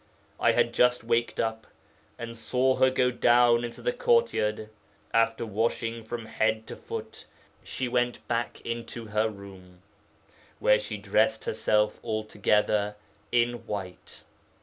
I had just waked up, and saw her go down into the courtyard. After washing from head to foot she went back into her room, where she dressed herself altogether in white.